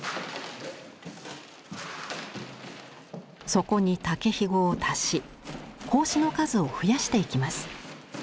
そこに竹ひごを足し格子の数を増やしていきます。